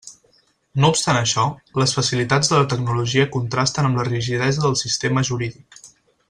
No obstant això, les facilitats de la tecnologia contrasten amb la rigidesa del sistema jurídic.